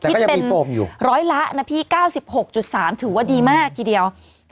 คิดเป็นร้อยละนะพี่๙๖๓ถือว่าดีมากทีเดียว